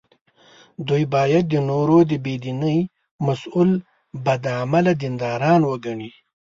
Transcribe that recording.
دوی باید د نورو د بې دینۍ مسوول بد عمله دینداران وګڼي.